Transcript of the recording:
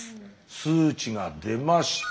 数値が出ました。